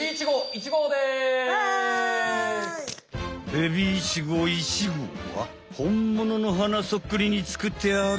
ヘビイチゴ１号はほんものの花そっくりにつくってある。